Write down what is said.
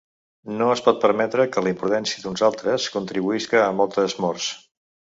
No es pot permetre que la imprudència d’uns altres contribuïsca a moltes morts.